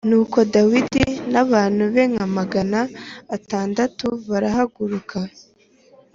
Nuko Dawidi n’abantu be nka magana atandatu barahaguruka